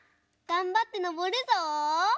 がんばってのぼるぞ！